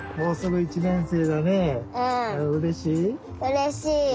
うれしい！